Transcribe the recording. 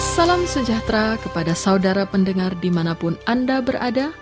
salam sejahtera kepada saudara pendengar dimanapun anda berada